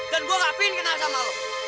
dan gua ngapain kenal sama lu